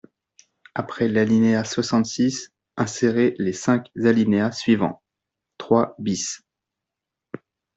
Après l’alinéa soixante-six, insérer les cinq alinéas suivants :« trois bis.